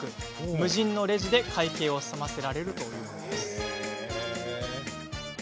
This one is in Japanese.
無人のレジで会計を済ませられるというのです。